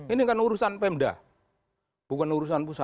ini kan urusan pemda bukan urusan pusat